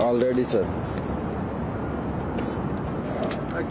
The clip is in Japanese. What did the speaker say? はい。